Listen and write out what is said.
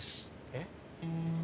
えっ？